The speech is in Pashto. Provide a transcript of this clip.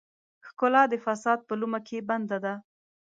ښکلا د فساد په لومه کې بنده ده.